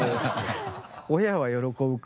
親は喜ぶか。